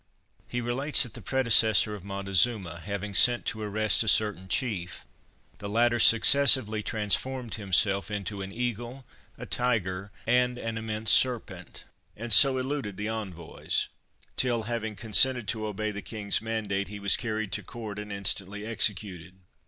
He relates that the predecessor of Montezuma, having sent to arrest a certain chief, the latter successively transformed himself into an eagle, a tiger, and an immense serpent; and so eluded the envoys, till, having consented to obey the king's mandate, he was carried to court and instantly executed.